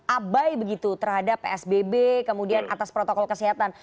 abai begitu terhadap psbb kemudian atas protokol kesehatan